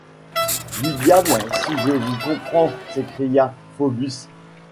Du diable si je vous comprends! s’écria Phœbus.